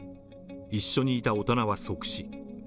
一緒にいた大人は即死。